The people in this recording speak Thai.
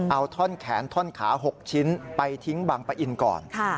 เอาท่อนแขนท่อนขา๖ชิ้นไปทิ้งบางปะอินก่อน